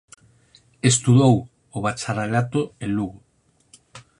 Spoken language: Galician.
Estudou o Bacharelato en Lugo.